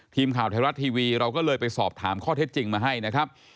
ทีมข่าวไทยรัฐทีวีเราก็เลยไปสอบถามข้อเท็จจริงมาให้นะครับ